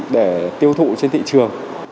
để tiêu thụ trên thị trường